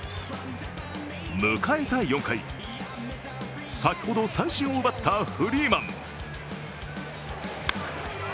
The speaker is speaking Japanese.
迎えた４回、先ほど三振を奪ったフリーマン。